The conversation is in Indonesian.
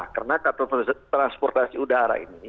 karena transportasi udara ini